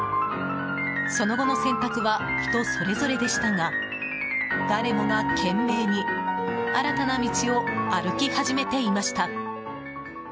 その後の選択は人それぞれでしたが誰もが懸命に新たな道を歩き始めていました。